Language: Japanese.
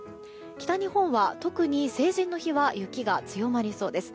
北日本は、特に成人の日は雪が強まりそうです。